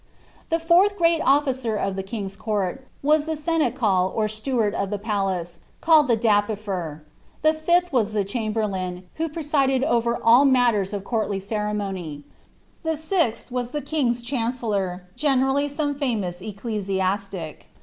The 4th great officer of the King's Court was the seneschal or steward of the palace, called the dapifer. The 5th was the chamberlain, who presided over all matters of courtly ceremonial. The 6th was the king's chancellor, generally some famous ecclesiastic.